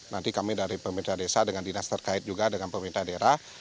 nanti kami dari pemerintah desa dengan dinas terkait juga dengan pemerintah daerah